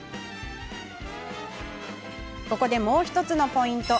ここで、もう１つのポイント